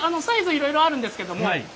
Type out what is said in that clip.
いろいろあるんですけども